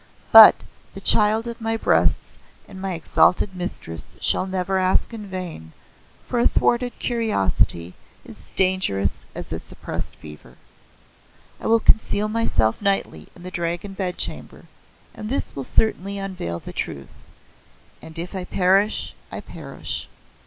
But the child of my breasts and my exalted Mistress shall never ask in vain, for a thwarted curiosity is dangerous as a suppressed fever. I will conceal myself nightly in the Dragon Bedchamber and this will certainly unveil the truth. And if I perish I perish."